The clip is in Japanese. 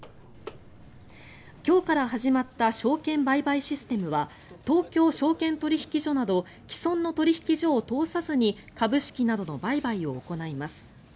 今日から始まった証券売買システムは東京証券取引所など既存の取引所を通さずに株式などの売買を行います。